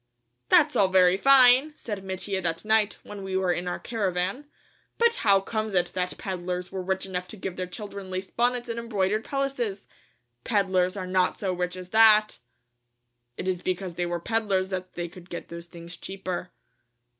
"That's all very fine," said Mattia that night, when we were in our caravan, "but how comes it that peddlers were rich enough to give their children lace bonnets and embroidered pelisses? Peddlers are not so rich as that!" "It is because they were peddlers that they could get those things cheaper."